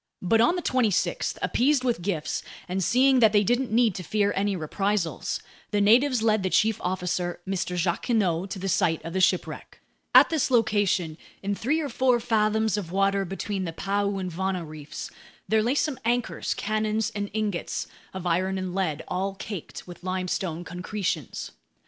But on the 26th, appeased with gifts and seeing that they didn't need to fear any reprisals, the natives led the chief officer, Mr. Jacquinot, to the site of the shipwreck. At this location, in three or four fathoms of water between the Paeu and Vana reefs, there lay some anchors, cannons, and ingots of iron and lead, all caked with limestone concretions.